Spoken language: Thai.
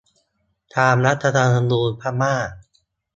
ตามรัฐธรรมนูญพม่า